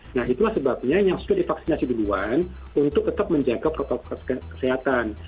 nah itulah sebabnya yang sudah divaksinasi duluan untuk tetap menjaga protokol kesehatan